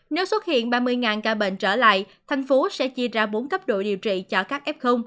nếu xuất hiện ba mươi ca bệnh trở lại thành phố sẽ chia ra bốn cấp độ điều trị cho các f